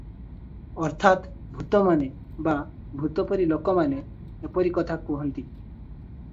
ଅର୍ଥାତ୍ ଭୂତମାନେ ବା ଭୂତପରି ଲୋକମାନେ ଏପରି କଥା କହନ୍ତି ।